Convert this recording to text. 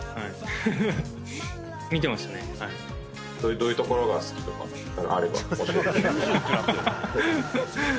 どういうところが好きとかあれば教えてください